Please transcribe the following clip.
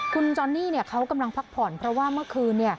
คุณจอนนี่เขากำลังพักผ่อนเพราะว่าเมื่อคืน